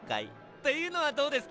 っていうのはどうですか？